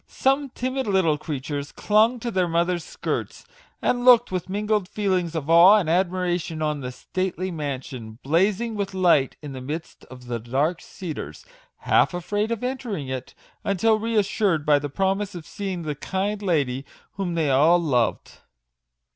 Some timid MAGIC WORDS. 45 little creatures clung to their mothers' skirts, and looked with mingled feelings of awe and admiration on the stately mansion, blazing with light in the midst of the dark cedars, half afraid of entering it until re assured by the promise of seeing the kind lady whom they all loved.